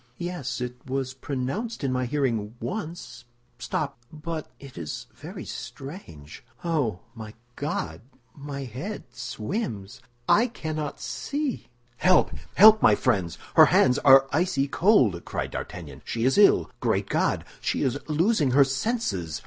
"Yes, it was pronounced in my hearing once. Stop—but—it is very strange—oh, my God, my head swims! I cannot see!" "Help, help, my friends! her hands are icy cold," cried D'Artagnan. "She is ill! Great God, she is losing her senses!"